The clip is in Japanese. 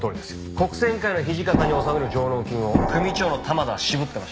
黒扇会の土方に納める上納金を組長の玉田は渋ってました。